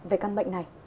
về căn bệnh này